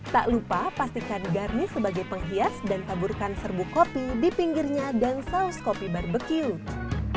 tak lupa pastikan garnish sebagai penghias dan taburkan serbuk kopi di pinggirnya dan saus kopi barbecue